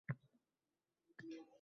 Shirin:Barakalla qizaloqlar